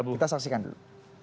kita saksikan dulu